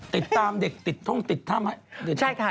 ติดตามเด็กติดท่องติดถ้ำให้